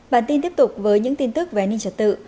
bản tin tiếp tục với những tin tức về an ninh trật tự